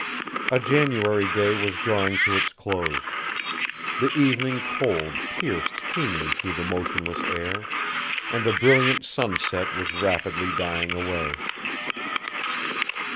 A January day was drawing to its close; the evening cold pierced keenly through the motionless air, and a brilliant sunset was rapidly dying away.